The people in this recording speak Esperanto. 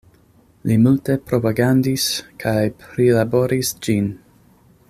Li multe propagandis kaj prilaboris ĝin.